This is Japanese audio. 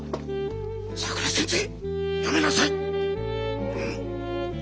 さくら先生やめなさい！